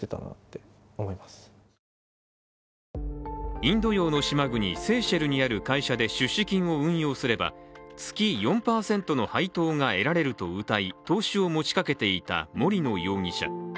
インド洋の島国セーシャルにある会社で出資金を運用すれば月４％の配当が得られるとうたい投資を持ちかけていた森野容疑者。